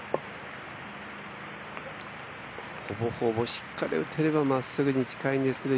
ほぼほぼ、しっかり打てればまっすぐに近いんですけど